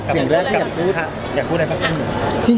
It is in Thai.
สิ่งแรกที่อยากพูด